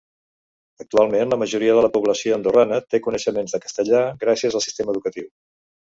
Actualment la majoria de la població andorrana té coneixements de castellà gràcies al sistema educatiu.